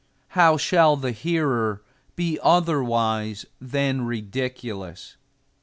How shall the hearer be otherwise than ridiculous?